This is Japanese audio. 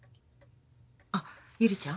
あっゆりちゃん？